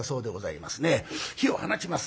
火を放ちます。